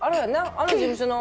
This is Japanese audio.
あの事務所の。